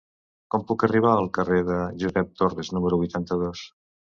Com puc arribar al carrer de Josep Torres número vuitanta-dos?